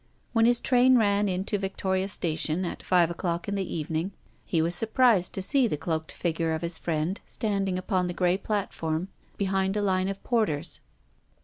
When his train ran in to Victoria Station, at five o'clock in the evening, he was surprised to see the cloaked figure of his friend standing upon the grey platform behind a line of porters.